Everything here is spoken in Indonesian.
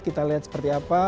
kita lihat seperti apa